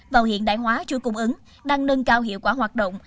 vào hiện đại hóa chuối cung ứng đang nâng cao hiệu quả hoạt động